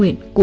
mẹ đã mất